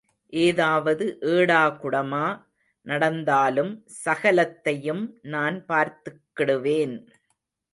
ஏதாவது ஏடாகுடமா நடந்தாலும் சகலத்தையும் நான் பார்த்துக்கிடுவேன்.